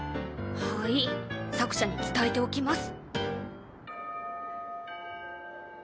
はい作者に伝えておきます。